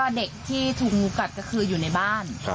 เด็กที่ถูกงูกัดก็คืออยู่ในบ้าน